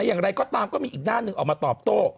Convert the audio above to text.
อย่างไรก็ตามก็มีอีกด้านหนึ่งออกมาตอบโต้